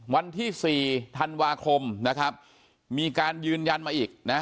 วันที่๔ธันวาคมนะครับมีการยืนยันมาอีกนะ